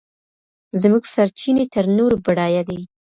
زموږ سرچينې تر نورو بډايه دي.